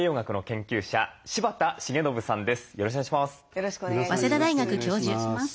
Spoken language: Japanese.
よろしくお願いします。